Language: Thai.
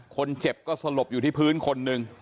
คนเจ็บก็สลบอยู่ที่พื้นคนหนึ่ง